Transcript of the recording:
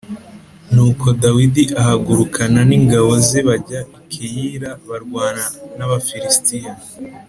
Nuko Dawidi ahagurukana n’ingabo ze bajya i Keyila barwana n’Abafilisitiya